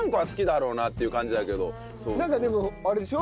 なんかでもあれでしょ？